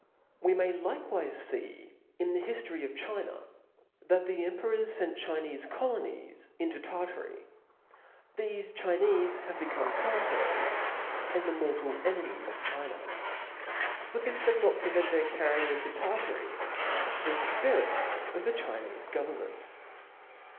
Wq may likewife fee in the hiftory of China, f*>A» that the emperors () fent Chinefe colonies into •moSror* Tartary. Thefe Chinefe are become Tartars, and j^*^^ft the mortal enemies of China; but this does not prevent their carrying into Tartary the Ijpirit o^ the Chinefe government.